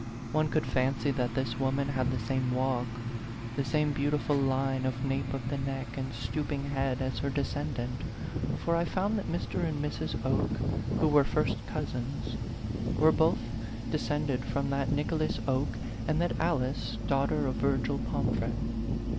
One could fancy that this woman had the same walk, the same beautiful line of nape of the neck and stooping head as her descendant, for I found that Mr. and Mrs. Oke, who were first cousins, were both de 38 A PHANTOM LOVER. scended from that Nicholas Oke and that Alice, daughter of Virgil Pomfret.